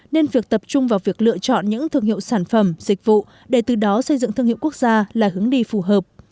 nên việc tập trung vào việc lựa chọn những thương hiệu sản phẩm dịch vụ để từ đó xây dựng thương hiệu quốc gia là hướng đi phù hợp